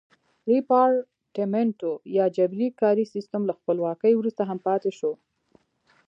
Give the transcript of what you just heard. ریپارټمنټو یا جبري کاري سیستم له خپلواکۍ وروسته هم پاتې شو.